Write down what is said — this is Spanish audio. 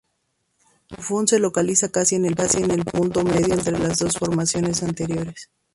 Buffon se localiza casi en el punto medio entre las dos formaciones anteriores.